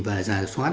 và giả soát